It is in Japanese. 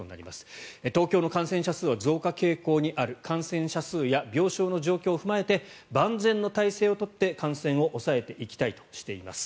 東京の感染者数は増加傾向にある感染者数や病床の状況を踏まえて万全の体制を取って感染を抑えていきたいとしています。